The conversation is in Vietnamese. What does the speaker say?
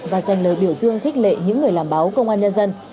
và dành lời biểu dương khích lệ những người làm báo công an nhân dân